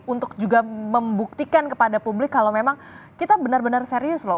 untuk juga membuktikan kepada publik kalau memang kita benar benar serius loh